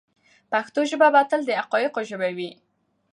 پښتو ژبه به تل د حقایقو ژبه وي.